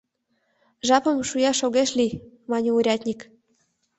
— Жапым шуяш огеш лий, — мане урядник.